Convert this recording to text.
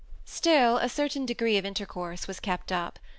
11 Still a' certain degree of intercourse was kept up.